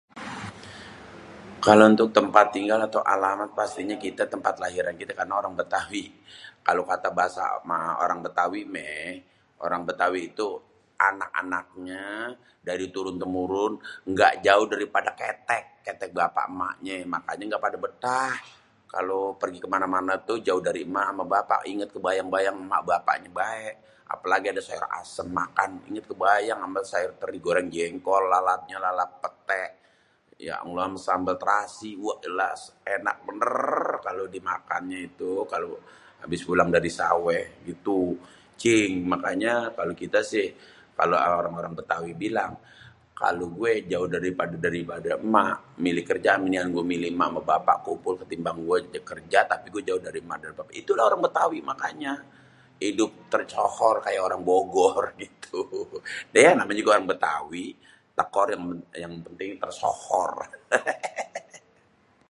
Kalo untuk tempat tinggal lah pastinyé kitê tempat lahir kitê karena orang bêtawi, kalo kata bahasa orang bêtawi méh, orang bêtawi itu anak-anaknyê dari turun têmurun éngga jauh dêh dari pada kéték, kéték bapak emaknyé makanyé éngga padé bétah kalo pergi kemana-mana tuh jauh dari èmak amé bapak inget kebayang-bayang amé èmak bapaknyé baé. apêlagi sama sayur asem makan kebayang amé teri jengkol, lalap, lalapnyê lalap pété ya allah amé sambel terasi wéé.. jelas ènak bênêr.... kalo dimakannyê itu kalo pulang abis dari sawéh gitu cing. mangkanyê kalo kitê si kalo orang-orang bêtawi bilang kalo gué jauh dari padé êmak pilih kerjaan mending gué milih êmak bapak kumpul ketimbang gué kerja gué jauh dari êmak bapak gitu dah orang bêtawi makanya. hidup tersohor kaya orang bogor gitu hêêêê... namanya juga orang bêtawi yang penting tersohor héhéhhé..